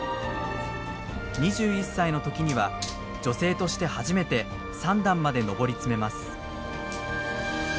２１歳の時には女性として初めて三段まで上り詰めます。